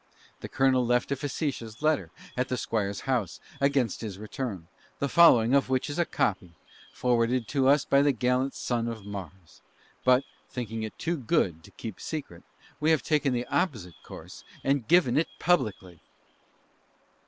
The Colonel left a facetious letter at the Squire's house, against his return, the following of which is a copy (forwarded to us by the gallant Son of Mars); but, thinking it too good to keep secret, we have taken the opposite course, and given it publicity.